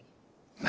何！？